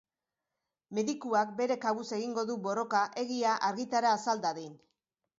Medikuak bere kabuz egingo du borroka egia argitara azal dadin.